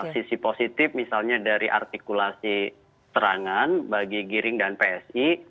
sisi positif misalnya dari artikulasi serangan bagi giring dan psi